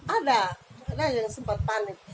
ada yang sempat panik